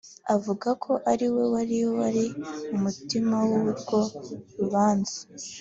avuga ko ariwe wari wari umutima w’urwo rubanza